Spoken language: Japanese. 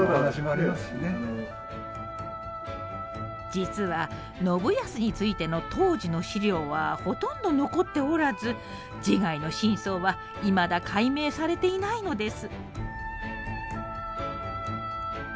実は信康についての当時の史料はほとんど残っておらず自害の真相はいまだ解明されていないのです。